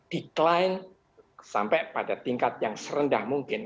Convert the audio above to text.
decline sampai pada tingkat yang serendah mungkin